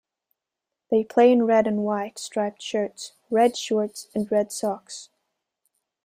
They play in red and white striped shirts, red shorts and red socks.